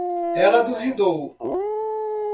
Ela duvidou